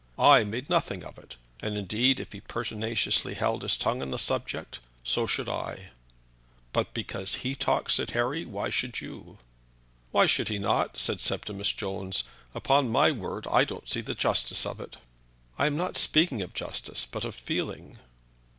I made nothing of it, and, indeed, if he pertinaciously held his tongue on the subject, so should I." "But because he talks," said Harry, "why should you?" "Why should he not?" said Septimus Jones. "Upon my word I don't see the justice of it." "I am not speaking of justice, but of feeling."